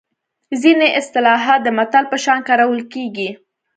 ځینې اصطلاحات د متل په شان کارول کیږي